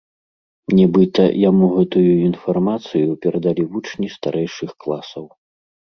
Нібыта, яму гэтую інфармацыю перадалі вучні старэйшых класаў.